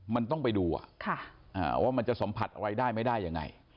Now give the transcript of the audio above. มันต้องไปดูว่ามันจะสัมผัสอะไรได้ไม่ได้ยังไง